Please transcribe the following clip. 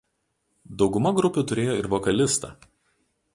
Dauguma grupių turėjo ir vokalistą.